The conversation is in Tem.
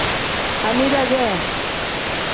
Amida ge.